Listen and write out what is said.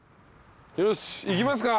よし行きますか。